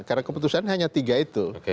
karena keputusan hanya tiga itu